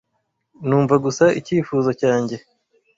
numva gusa icyifuzo cyanjye